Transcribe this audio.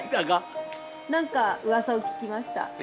なんかうわさを聞きました。